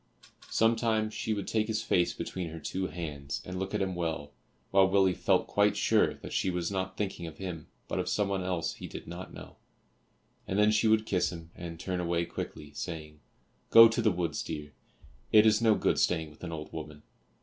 Sometimes she would take his face between her two hands and look at him well while Willie felt quite sure that she was not thinking of him, but of someone else he did not know, and then she would kiss him, and turn away quickly, saying, "Go to the woods, dear; it is no good staying with an old woman."